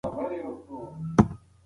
آیا ته به ماته خپل نوی موبایل وښایې؟